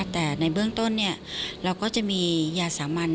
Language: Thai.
แต่ในเบื้องต้นเราก็จะมียาสามัญ